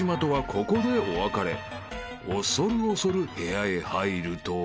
［恐る恐る部屋へ入ると］